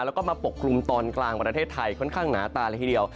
แล้วก็มาปกคลุมตอนกลางประเทศไทยค่อนข้างหนาตาเลยทีเดียว